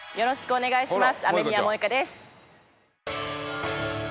お願いします